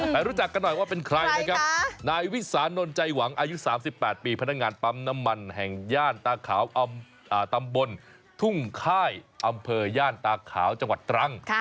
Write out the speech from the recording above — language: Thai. รู้จักกันหน่อยว่าเป็นใครนะครับนายวิสานนท์ใจหวังอายุ๓๘ปีพนักงานปั๊มน้ำมันแห่งย่านตาขาวตำบลทุ่งค่ายอำเภอย่านตาขาวจังหวัดตรัง